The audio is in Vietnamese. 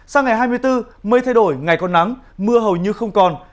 sang ngày hai mươi bốn mây thay đổi ngày còn nắng mưa hầu như không còn